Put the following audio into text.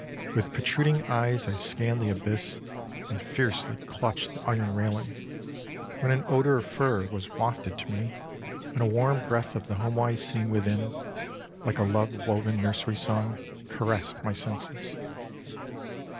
With protruding eyes I scanned the abyss and fiercely clutched the iron railing, when an odor of fir was wafted to me and a warm breath of the homewise scene within, like a love woven nursery song, caressed my senses.